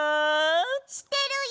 してるよ！